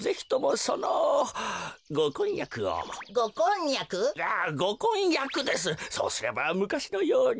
そうすればむかしのように。